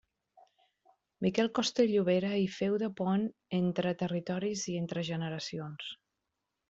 Miquel Costa i Llobera hi féu de pont entre territoris i entre generacions.